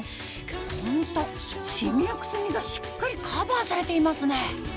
ホントシミやくすみがしっかりカバーされていますね